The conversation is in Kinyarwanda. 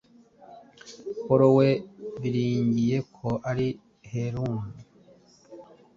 Pawulo we biringiye ko ari Herume,